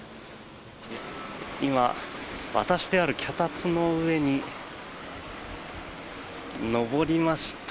今、渡してある脚立の上に上りました。